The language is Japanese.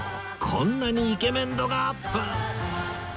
こんなにイケメン度がアップ！